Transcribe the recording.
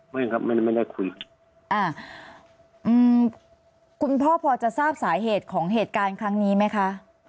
ไม่ครับไม่ได้ไม่ได้คุยอ่าอืมคุณพ่อพอจะทราบสาเหตุของเหตุการณ์ครั้งนี้ไหมคะ